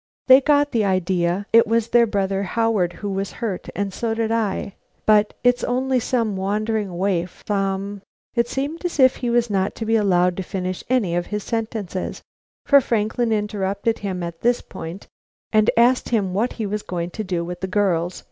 They got the idea it was their brother Howard who was hurt; and so did I, but it's only some wandering waif some " It seemed as if he was not to be allowed to finish any of his sentences, for Franklin interrupted him at this point to ask him what he was going to do with the girls.